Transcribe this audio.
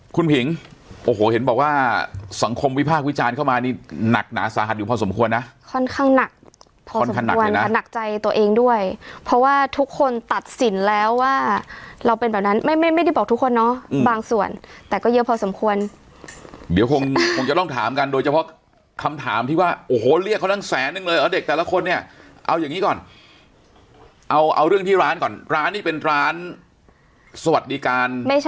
คุณผิงโอ้โหเห็นบอกว่าสังคมวิพากษ์วิจารณ์เข้ามานี่หนักหนาสาหัสอยู่พอสมควรนะค่อนข้างหนักพอสมควรหนักใจตัวเองด้วยเพราะว่าทุกคนตัดสินแล้วว่าเราเป็นแบบนั้นไม่ไม่ไม่ได้บอกทุกคนเนาะบางส่วนแต่ก็เยอะพอสมควรเดี๋ยวคงคงจะต้องถามกันโดยเฉพาะคำถามที่ว่าโอ้โหเรียกเขานักแสนนึงเลยเหรอ